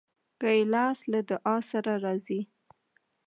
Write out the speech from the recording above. ګیلاس له دعا سره راځي.